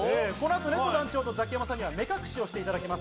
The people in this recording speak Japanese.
ねこ団長とザキヤマさんには目隠しをしていただきます。